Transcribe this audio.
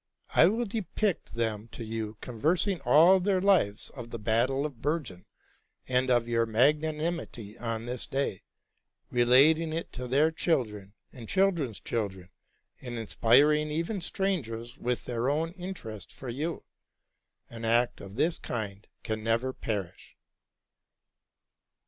I will depict them to you conyersing all their lives of the battle of Bergen, and of your magnanimity on this day, relating it to their children, and children's children, and inspiring even strangers with their own interest for you: an act of this kind can never perish."